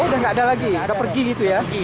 oh sudah nggak ada lagi sudah pergi gitu ya